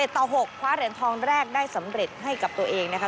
ต่อ๖คว้าเหรียญทองแรกได้สำเร็จให้กับตัวเองนะคะ